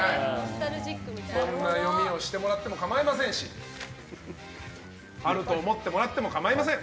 そんな読みをしてもらっても構いませんしあると思ってもらっても構いません。